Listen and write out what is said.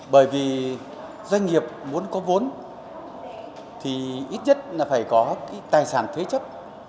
bởi vì doanh nghiệp muốn có vốn thì ít nhất là phải có tài sản thuế chấp